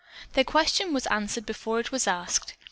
Their question was answered before it was asked.